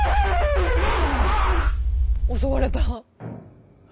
襲われた。